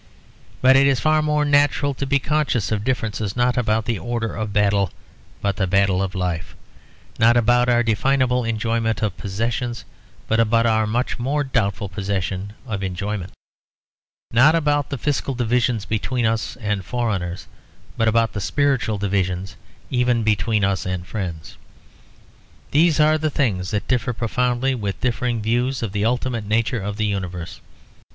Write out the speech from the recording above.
But it is far more natural to be conscious of a difference, not about the order of battle but the battle of life; not about our definable enjoyment of possessions, but about our much more doubtful possession of enjoyment; not about the fiscal divisions between us and foreigners but about the spiritual divisions even between us and friends. These are the things that differ profoundly with differing views of the ultimate nature of the universe.